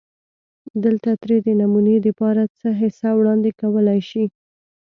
دلته ترې دنمونې دپاره څۀ حصه وړاندې کولی شي